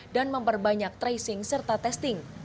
dan memperbanyak tracing serta testing